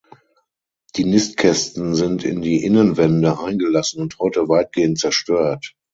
Die Nistkästen sind in die Innenwände eingelassen und heute weitgehend zerstört.